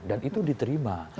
dan itu diterima